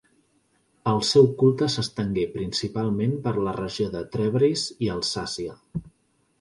El seu culte s'estengué principalment per la regió de Trèveris i Alsàcia.